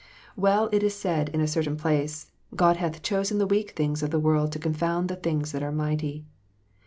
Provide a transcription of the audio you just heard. Well is it said in a certain place, " God hath chosen the weak things of the world to confound the things that are mighty."